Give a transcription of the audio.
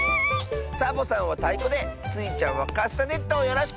サボさんはたいこでスイちゃんはカスタネットをよろしく！